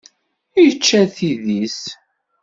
Yečča tidi-s.